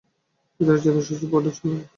ভিতরে যাইতে শশীর পা উঠিতেছিল না।